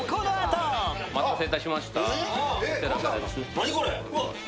何これ？